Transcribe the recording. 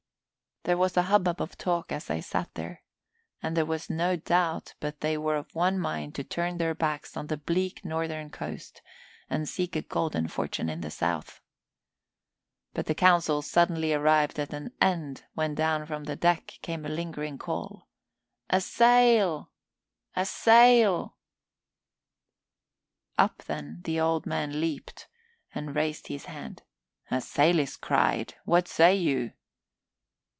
There was a hubbub of talk as they sat there, and there was no doubt but they were of one mind to turn their backs on the bleak northern coast and seek a golden fortune in the south. But the council arrived suddenly at an end when down from the deck came the lingering call, "A sa i l! A sa i l!" Up, then, the Old One leaped, and he raised his hand. "A sail is cried. What say you?"